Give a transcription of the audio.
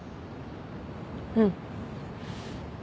うん。